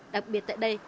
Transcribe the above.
đặc biệt tại đây